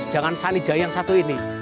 jangan sanijaya yang satu ini